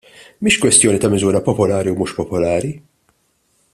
Mhix kwestjoni ta' miżura popolari u mhux popolari.